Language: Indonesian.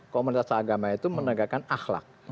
komunitas agama itu menegakkan akhlak